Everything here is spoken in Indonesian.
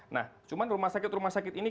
nah cuma rumah sakit rumah sakit ini